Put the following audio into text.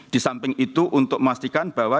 disamping itu untuk memastikan bahwa